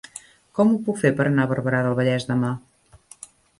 Com ho puc fer per anar a Barberà del Vallès demà?